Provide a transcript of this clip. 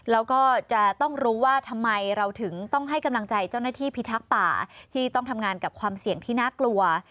แล้วก็จะต้องรู้ว่าทำไมเราถึงต้องให้กำลังใจเจ้าหน้าที่พิทักษ์ป่าที่ต้องทำงานกับความเสี่ยงที่น่ากลัว